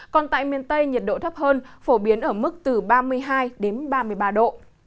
còn tại miền tây nhiệt độ thấp hơn phổ biến ở mức từ ba mươi hai đến ba mươi ba độ